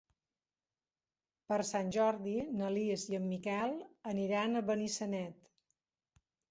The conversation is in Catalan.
Per Sant Jordi na Lis i en Miquel aniran a Benissanet.